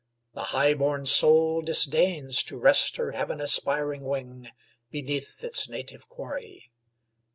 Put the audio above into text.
The high born soul Disdains to rest her heaven aspiring wing Beneath its native quarry.